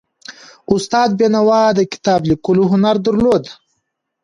استاد بینوا د کتاب لیکلو هنر درلود.